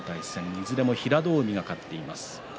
いずれも平戸海が勝っています。